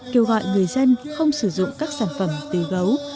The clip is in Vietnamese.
kêu gọi người dân không sử dụng các sản phẩm từ gấu